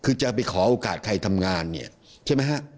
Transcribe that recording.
คือจะไปขอโอกาสใครทำงานเนี่ยใช่ไหมฮะ